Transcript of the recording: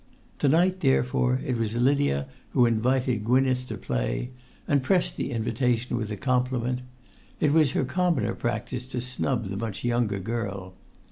To night, therefore, it was Lydia who invited Gwynneth to play, and pressed the invitation with a compliment; it was her commoner practice to snub the much younger girl.